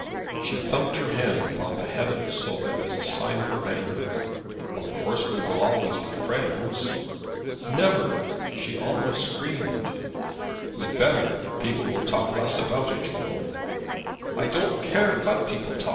She thumped her hand upon the head of the sofa as a sign of her anger. "Of course we shall always be friends?" "Never," she almost screamed. "We'd better. People will talk less about it, you know." "I don't care what people talk.